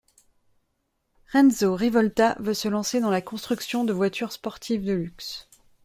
Renzo Rivolta veut se lancer dans la construction de voitures sportives de luxe.